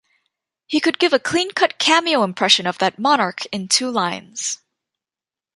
He could give a clean-cut cameo impression of that monarch in two lines.